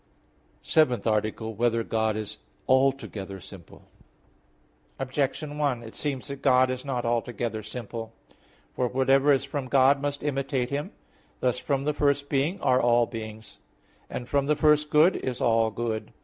_______________________ SEVENTH ARTICLE [I, Q. 3, Art. 7] Whether God Is Altogether Simple? Objection 1: It seems that God is not altogether simple. For whatever is from God must imitate Him. Thus from the first being are all beings; and from the first good is all good.